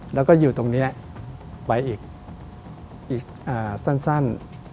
แล้วก็อยู่ตรงนี้ไปอีกสั้น